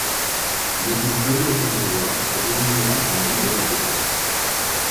Mais il faillit à son devoir et élimina un membre de la Garde.